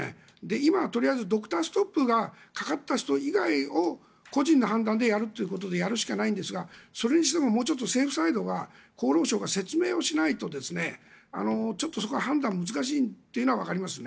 今はとりあえずドクターストップがかかった人以外を個人の判断でやるということしかないんですがそれにしても、もうちょっと政府サイド、厚労省が説明をしないとちょっとそこは判断が難しいというのはわかりますね。